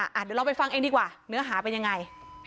เดี๋ยวเราไปฟังเองดีกว่าเนื้อหาเป็นยังไง